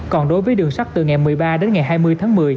còn đối với đường sắt từ ngày một mươi ba đến ngày hai mươi tháng một mươi